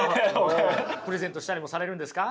プレゼントしたりもされるんですか？